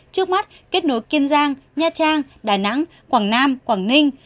trước mắt kết nối kiên giang nha trang đà nẵng quảng nam quảng ninh